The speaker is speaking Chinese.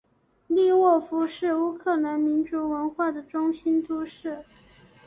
利沃夫是乌克兰民族文化的中心都市。